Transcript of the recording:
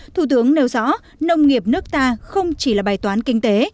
thủ tướng nêu rõ nông nghiệp nước ta không chỉ là bài toán kinh tế